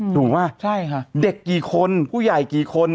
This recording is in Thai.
ถูกป่ะใช่ค่ะเด็กกี่คนผู้ใหญ่กี่คน